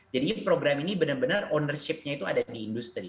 jadi program ini benar benar ownership nya itu ada di industri